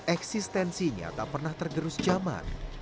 eksistensinya tak pernah tergerus zaman